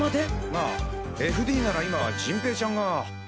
ああＦＤなら今陣平ちゃんが。